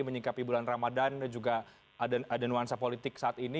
menyingkapi bulan ramadan juga ada nuansa politik saat ini